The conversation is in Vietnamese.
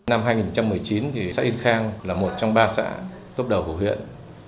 năm hai nghìn một mươi chín thì xã yên khang là một trong ba xã tốt đầu của huyện